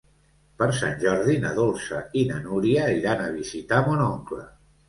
Per Sant Jordi na Dolça i na Núria iran a visitar mon oncle.